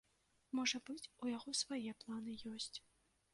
Можа быць, у яго свае планы ёсць.